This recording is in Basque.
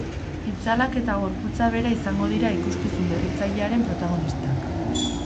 Itzalak eta gorputza bera izango dira ikuskizun berritzailearen protagonistak.